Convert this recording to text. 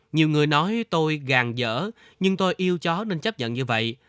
nhiều người nói tôi gàn dở nhưng tôi yêu chó nên chấp nhận như vậy